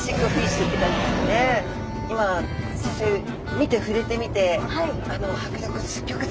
今実際見て触れてみてあの迫力すっギョく